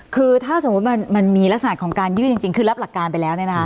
คือถ้าสมมุติมันมีลักษณะของการยื่นจริงคือรับหลักการไปแล้ว